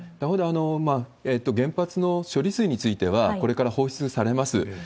他方で、原発の処理水については、これから放水されます。